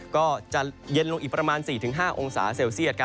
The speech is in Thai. ก็จะเย็นลงอีกประมาณ๔๕องศาเซลเซียต